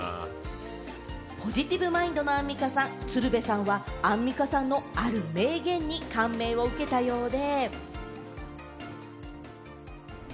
ポジティブマインドのアンミカさん、鶴瓶さんはアンミカさんのある名言に感銘を受けたようで。